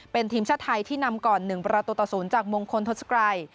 เป็นทีมชาติไทยที่นำก่อน๑ประตูต่อ๐จากมงคลทศกรัย